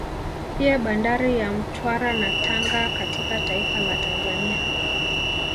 Pia Bandari ya Mtwara na Tanga katika taifa la Tanzania